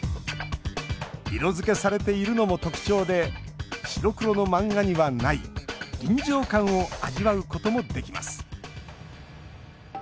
色付けされているのも特徴で白黒の漫画にはない臨場感を味わうこともできます。